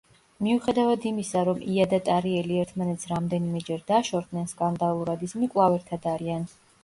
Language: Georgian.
მიუხედავად იმისა, რომ ია და ტარიელი ერთმანეთს რამდენიმეჯერ დაშორდნენ სკანდალურად, ისინი კვლავ ერთად არიან.